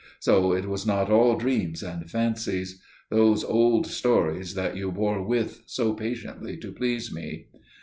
So it was not all dreams and fancies––those old stories that you bore with so patiently to please me.